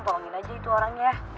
tolongin aja itu orangnya